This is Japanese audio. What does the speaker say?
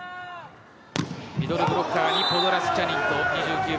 ミドルブロッカーにポドラシュチャニン。